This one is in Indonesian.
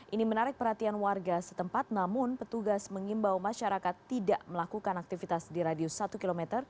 ini menarik perhatian warga setempat namun petugas mengimbau masyarakat tidak melakukan aktivitas di radius satu km